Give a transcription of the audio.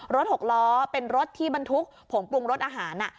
รถหกล้อเป็นรถที่มันทุกข์ผงปรุงรถอาหารอ่ะ